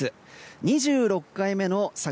２６回目の桜